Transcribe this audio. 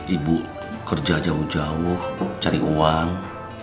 ibu kerja jauh jauh cari uang